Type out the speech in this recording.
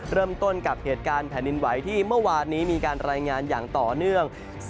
เริ่มต้นกับเหตุการณ์แผ่นดินไหวที่เมื่อวานนี้มีการรายงานอย่างต่อเนื่อง